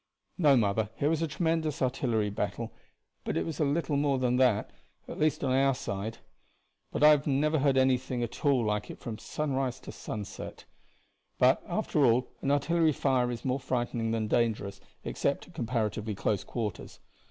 "No, mother; it was a tremendous artillery battle, but it was a little more than that at least on our side. But I have never heard anything at all like it from sunrise to sunset. But, after all, an artillery fire is more frightening than dangerous, except at comparatively close quarters.